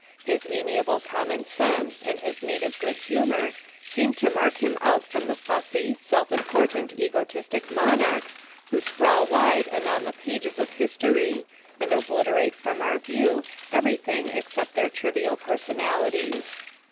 His amiable common sense and his native good humour seemed to mark him out from the fussy, self important egotis tic monarchs who sprawl wide anon the pages of history and obliterate from our view every thing except their trivial personalities.